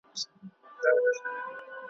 که ئې خوب وليدی، نو هغه به حتما رښتينی خوب وي.